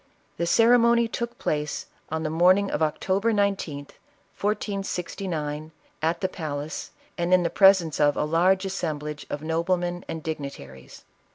The ceremony took place on the morning of October 19th, 1469, at the palace, and in presence of a large assemblage of noblemen and dignitaries.